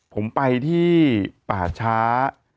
ผมไปที่ป่าช้า